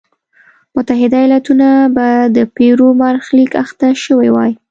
متحده ایالتونه به د پیرو برخلیک اخته شوی وای.